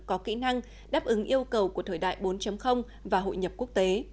có kỹ năng đáp ứng yêu cầu của thời đại bốn và hội nhập quốc tế